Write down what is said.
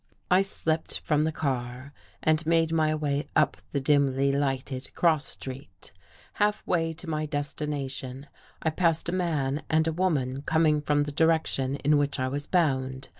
I slipped from, the car and made my way up the dimly lighted cross street. Half way to my des tination, I passed a man and a woman coming from the direction in which I was bound.